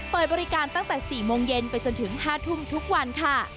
เปิดบริการตั้งแต่๔โมงเย็นไปจนถึง๕ทุ่มทุกวันค่ะ